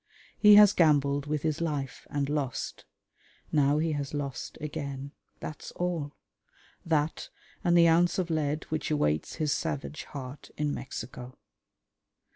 He has gambled with his life and lost: now he has lost again, that's all; that and the ounce of lead which awaits his savage heart in Mexico.